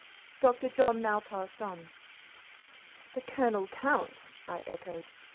Dr. John now passed on. "The Colonel Count!" I echoed.